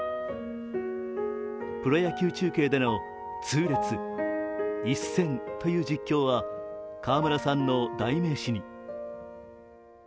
プロ野球中継での「痛烈、一閃」という実況は河村さんの代名詞にも。